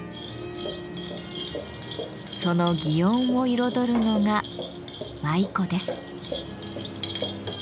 その園を彩るのが「舞妓」です。